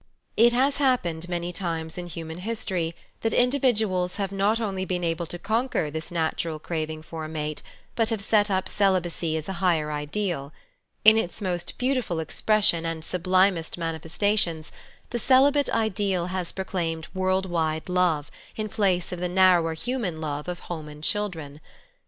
It has happened many times in human history that individuals have not only been able to conquer this natural craving for a mate, but have set up celibacy as a higher ideal. In its most beautiful expression and sublimest manifestations, the celibate ideal has proclaimed a world wide love, in place of the narrower human love of home and children.